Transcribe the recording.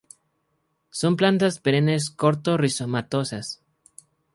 Son plantas perennes corto rizomatosas.